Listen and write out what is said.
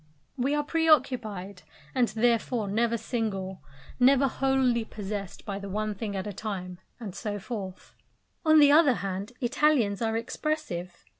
We are pre occupied, and therefore never single, never wholly possessed by the one thing at a time; and so forth. On the other hand, Italians are expressive.